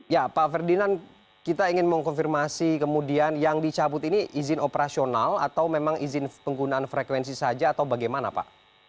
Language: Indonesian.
ya pak ferdinand kita ingin mengkonfirmasi kemudian yang dicabut ini izin operasional atau memang izin penggunaan frekuensi saja atau bagaimana pak